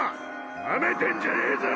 なめてんじゃねぇぞ！